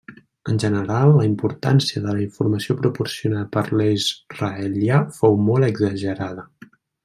En general, la importància de la informació proporcionada per l'israelià fou molt exagerada.